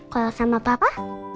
kalau sama papa